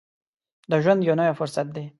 د ژوند یو نوی فرصت دی.